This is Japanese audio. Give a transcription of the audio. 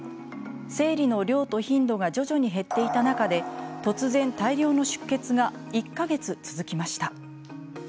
生理の量と頻度が徐々に減っていた中で突然、大量の出血が１か月続きました。